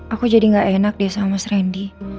aku jadi gak enak deh sama mas randy